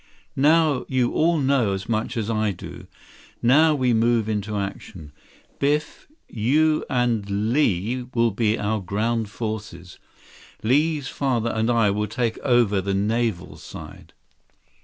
"Now you all know as much as I do. Now we move into action. Biff, you and Li will be our ground forces. Li's father and I will take over the naval side."